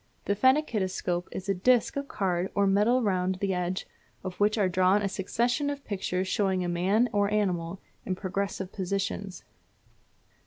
The phenakistoscope is a disc of card or metal round the edge of which are drawn a succession of pictures showing a man or animal in progressive positions.